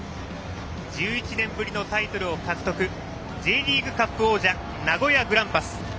１１年ぶりのタイトルを獲得Ｊリーグカップ王者名古屋グランパス。